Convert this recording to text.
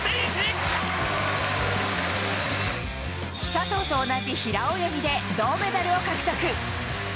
佐藤と同じ平泳ぎで銅メダルを獲得。